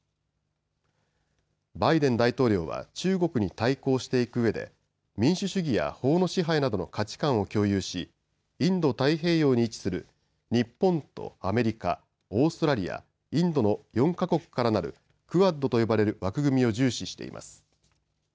バイデン大統領は中国に対抗していくうえで民主主義や法の支配などの価値観を共有しインド太平洋に位置する日本とアメリカ、オーストラリア、インドの４か国からなるクアッドと呼ばれる枠組みを重視しています。